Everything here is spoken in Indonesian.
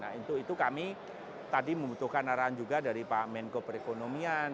nah untuk itu kami tadi membutuhkan arahan juga dari pak menko perekonomian